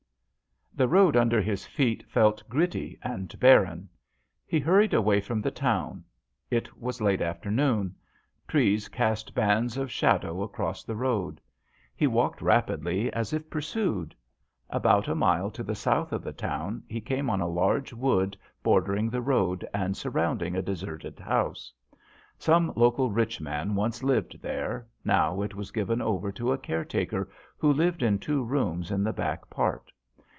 ?HE road under his feet felt gritty and barren. He hurried away from the town. It was late afternoon. Trees cast bands of shadow across the road. He walked rapidly as if pursued. About a mile to the south of the town he came on a large wood bordering the road and surrounding a desertedhouse. Some local rich man once lived there, now it was given over to a caretaker who lived in two rooms in the back part.